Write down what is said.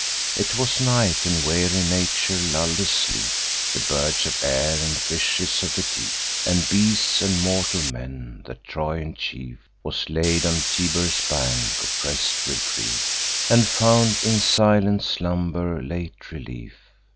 'Twas night; and weary nature lull'd asleep The birds of air, and fishes of the deep, And beasts, and mortal men. The Trojan chief Was laid on Tiber's banks, oppress'd with grief, And found in silent slumber late relief.